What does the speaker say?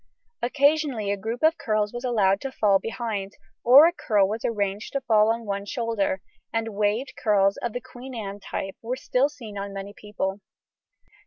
Occasionally a group of curls was allowed to fall behind, or a curl was arranged to fall on one shoulder, and waved curls of the Queen Anne type were still seen on many people.